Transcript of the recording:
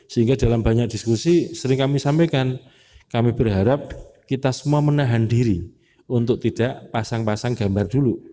sehingga dalam banyak diskusi sering kami sampaikan kami berharap kita semua menahan diri untuk tidak pasang pasang gambar dulu